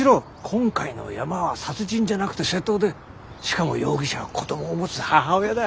今回のヤマは殺人じゃなくて窃盗でしかも容疑者は子供を持つ母親だ。